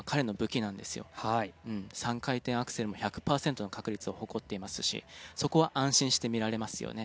３回転アクセルも１００パーセントの確率を誇っていますしそこは安心して見られますよね。